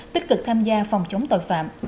tích cực tham gia phòng chống tội phạm